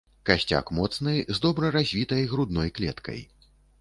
Касцяк моцны з добра развітай грудной клеткай.